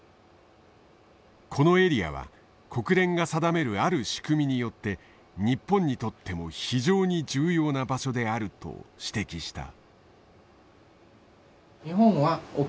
このエリアは国連が定めるある仕組みによって日本にとっても非常に重要な場所であると指摘した。